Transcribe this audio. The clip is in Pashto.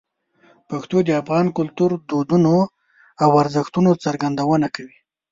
پښتو د افغان کلتور، دودونو او ارزښتونو څرګندونه کوي.